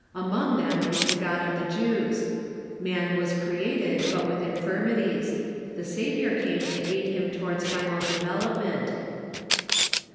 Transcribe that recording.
Among them is the God of the Jews. Man Gnosticism ^ was created, but Avith infirmities. The Saviour came to aid him towards final development.